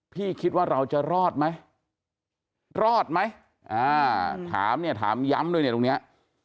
คิดว่าเราจะรอดไหมรอดไหมอ่าถามเนี่ยถามย้ำด้วยเนี่ยตรงเนี้ย